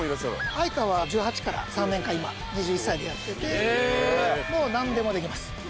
愛香は１８から３年間、今、やっていて、もうなんでもできます。